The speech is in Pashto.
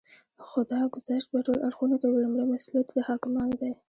خو دا ګذشت به ټول اړخونه کوي. لومړی مسئوليت یې د حاکمانو دی